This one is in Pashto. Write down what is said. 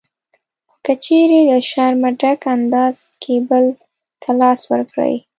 خو که چېرې له شرمه ډک انداز کې بل ته لاس ورکړئ